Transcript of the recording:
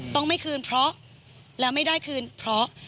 ต้องไม่คืนเพราะและไม่ได้คืนเพราะ